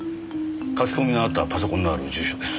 書き込みがあったパソコンのある住所です。